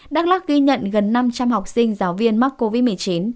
đắk lắc ghi nhận gần năm trăm linh học sinh giáo viên mắc covid một mươi chín